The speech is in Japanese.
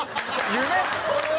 夢！？